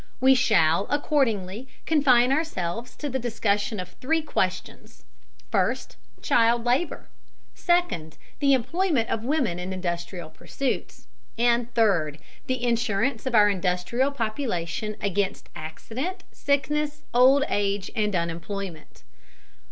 We shall accordingly confine ourselves to the discussion of three questions: first, child labor; second, the employment of women in industrial pursuits; and third, the insurance of our industrial population against accident, sickness, old age and unemployment.